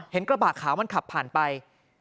กระบะขาวมันขับผ่านไป